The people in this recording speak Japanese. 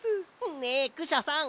ねえクシャさん